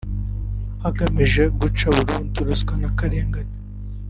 hagamijwe guca burundu Ruswa n’akarengane